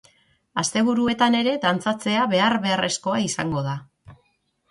Asteburuetan ere dantzatzea behar-beharrezkoa izango da.